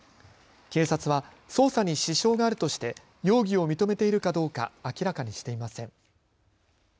警察は捜査に支障があるとして容疑を認めているかどうか明らかにしていません。